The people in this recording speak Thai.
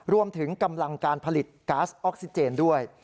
รวมถึงกำลังการผลิตก๊าซออกซิเจนด้วย